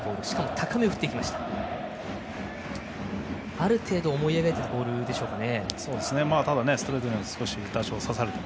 ある程度思い描いていたボールでしょうか。